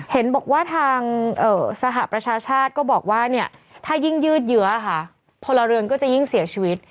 เห็นบอกว่าทางสหประชาชาติก็บอกว่าเนี่ยถ้ายิ่งยืดเยื้อค่ะพลเรือนก็จะยิ่งเสียชีวิต